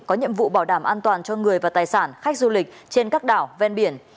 có nhiệm vụ bảo đảm an toàn cho người và tài sản khách du lịch trên các đảo ven biển